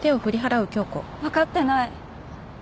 わかってない。